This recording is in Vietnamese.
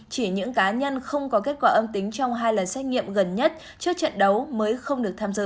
chỉ những cá nhân không có kết quả âm tính trong hai lần xét nghiệm gần nhất trước trận đấu mới không được tham dự